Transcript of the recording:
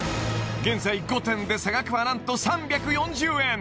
現在５点で差額は何と３４０円